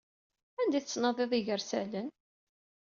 Anda ay d-tettnadiḍ igersalen?